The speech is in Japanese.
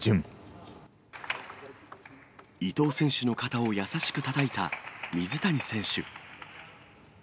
伊藤選手の肩を優しくたたいた水谷選手。